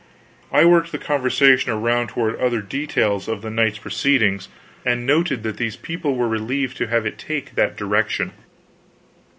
I worked the conversation around toward other details of the night's proceedings, and noted that these people were relieved to have it take that direction.